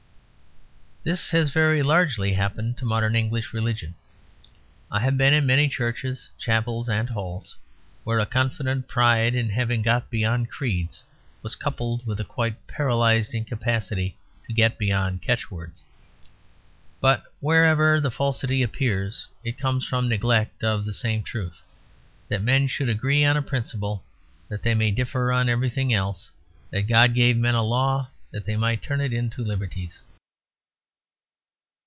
This has very largely happened to modern English religion; I have been in many churches, chapels, and halls where a confident pride in having got beyond creeds was coupled with quite a paralysed incapacity to get beyond catchwords. But wherever the falsity appears it comes from neglect of the same truth: that men should agree on a principle, that they may differ on everything else; that God gave men a law that they might turn it into liberties.